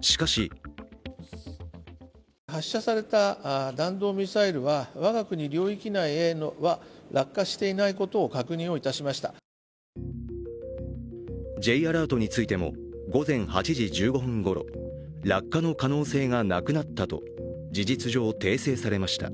しかしＪアラートについても、午前８時１５分ごろ、落下の可能性がなくなったと事実上、訂正されました。